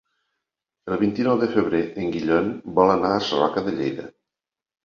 El vint-i-nou de febrer en Guillem vol anar a Sarroca de Lleida.